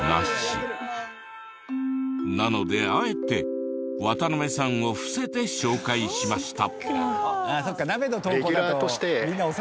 なのであえて渡邉さんを伏せて紹介しました。